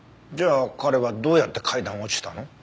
じゃあ彼はどうやって階段を落ちたの？